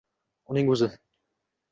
Uning o’zi